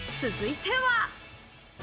続いては。